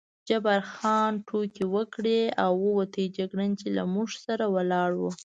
جبار خان ټوکې وکړې او ووت، جګړن چې له موږ سره ولاړ و.